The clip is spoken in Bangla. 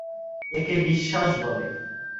একে বিশ্বাস বলে।